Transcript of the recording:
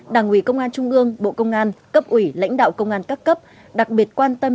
đảng ủy công an trung ương bộ công an cấp ủy lãnh đạo công an các cấp đặc biệt quan tâm